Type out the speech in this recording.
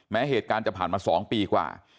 แม้เหตุการณ์จะผ่านมา๒ปีกว่า